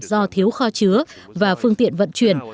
do thiếu kho chứa và phương tiện vận chuyển